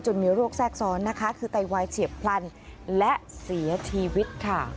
มีโรคแทรกซ้อนนะคะคือไตวายเฉียบพลันและเสียชีวิตค่ะ